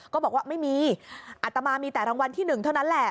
ก็บอกว่าไม่มีอัตมามีแต่รางวัลที่๑เท่านั้นแหละ